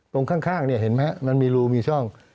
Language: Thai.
ตรงข้างเห็นไหมมันมีรูมีช่อง